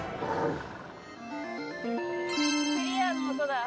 クリアの音だ。